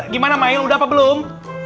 gimana main udah apa belum